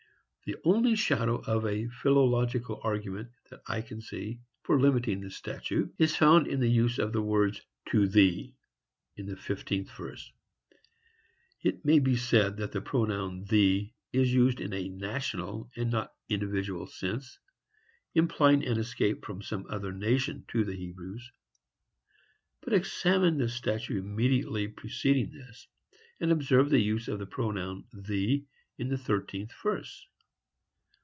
The only shadow of a philological argument that I can see, for limiting the statute, is found in the use of the words to thee, in the fifteenth verse. It may be said that the pronoun thee is used in a national and not individual sense, implying an escape from some other nation to the Hebrews. But, examine the statute immediately preceding this, and observe the use of the pronoun thee in the thirteenth verse.